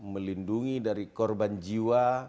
melindungi dari korban jiwa